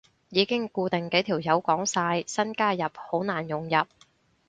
已經固定幾條友講晒，新加入好難融入